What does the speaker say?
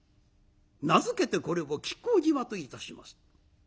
名付けてこれを亀甲縞といたします。